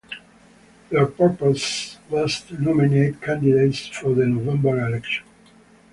Their purpose was to nominate candidates for the November election.